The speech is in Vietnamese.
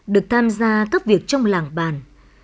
được tham gia các việc trong làng bàn